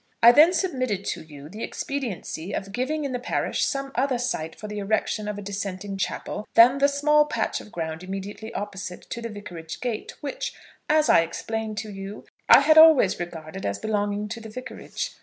I then submitted to you the expediency of giving in the parish some other site for the erection of a dissenting chapel than the small patch of ground immediately opposite to the vicarage gate, which, as I explained to you, I had always regarded as belonging to the vicarage.